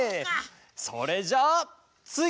それじゃあつぎ！